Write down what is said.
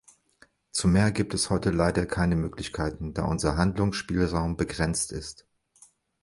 Zu mehr gibt es heute leider keine Möglichkeiten, da unser Handlungsspielraum begrenzt ist.